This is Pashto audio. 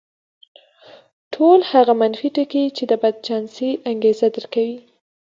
ټول هغه منفي ټکي چې د بدچانسۍ انګېزه درکوي.